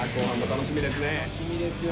楽しみですよ